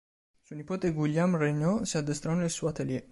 Suo nipote Guillaume Regnault si addestrò nel suo atelier.